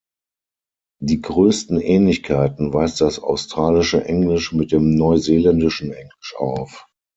Die größten Ähnlichkeiten weist das australische Englisch mit dem neuseeländischen Englisch auf.